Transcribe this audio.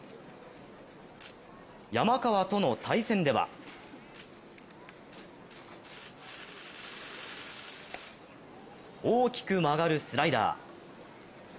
山川との対戦では大きく曲がるスライダー。